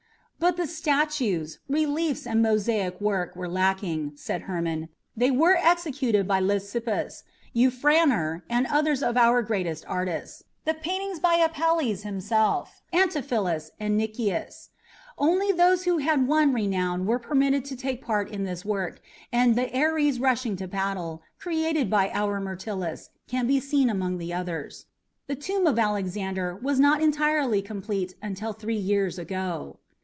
"But the statues, reliefs, and mosaic work were lacking," said Hermon. "They were executed by Lysippus, Euphranor, and others of our greatest artists; the paintings by Apelles himself, Antiphilus, and Nicias. Only those who had won renown were permitted to take part in this work, and the Ares rushing to battle, created by our Myrtilus, can be seen among the others. The tomb of Alexander was not entirely completed until three years ago."